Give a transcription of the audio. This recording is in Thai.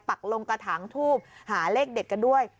ปักลงกระถางทูบหาเลขเด็ดกันด้วย